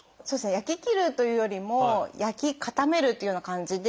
焼き切るというよりも焼き固めるというような感じで。